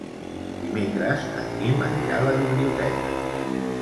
Dimecres en Guim anirà a la biblioteca.